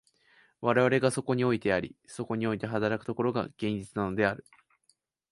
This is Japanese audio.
我々がそこにおいてあり、そこにおいて働く所が、現実なのである。